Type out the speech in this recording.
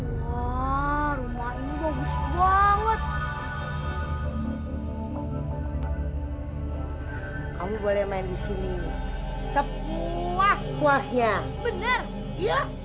warna ini bagus banget kamu boleh main di sini sepuas puasnya bener ya ya